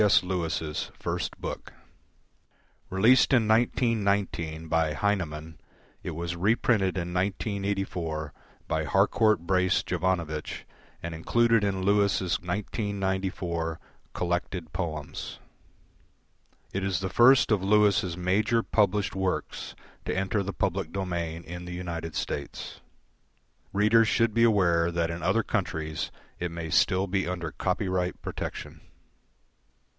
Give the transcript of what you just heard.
S. Lewis' first book. Released in 1919 by Heinemann, it was reprinted in 1984 by Harcourt Brace Jovanovich and included in Lewis' 1994 Collected Poems. It is the first of Lewis' major published works to enter the public domain in the United States. Readers should be aware that in other countries it may still be under copyright protection.